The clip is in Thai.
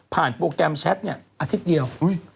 โปรแกรมแชทเนี่ยอาทิตย์เดียว